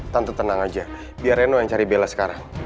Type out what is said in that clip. tante tenang aja biar reno yang cari bella sekarang